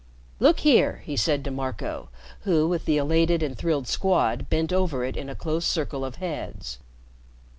"Look here," he said to Marco, who, with the elated and thrilled Squad, bent over it in a close circle of heads.